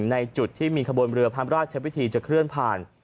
ในจุดที่มีขบวนเรือภาคมราชชนละมากจะเคลื่อนผ่าน